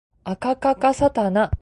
あかかかさたな